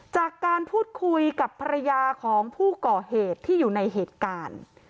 จากการพูดคุยกับภรรยาของผู้ก่อเหตุที่อยู่ในเหตุการณ์